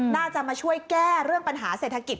น่าจะมาช่วยแก้เรื่องปัญหาเศรษฐกิจ